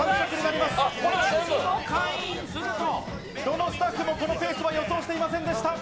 どのスタッフもこのペースを予想していませんでした。